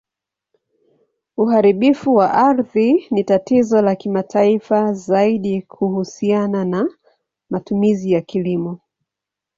Uharibifu wa ardhi ni tatizo la kimataifa, zaidi kuhusiana na matumizi ya kilimo.